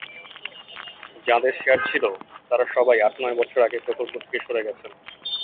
যাঁদের শেয়ার ছিল তাঁরা সবাই আট-নয় বছর আগে প্রকল্প থেকে সরে গেছেন।